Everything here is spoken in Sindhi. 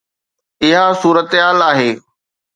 اها صورتحال آهي.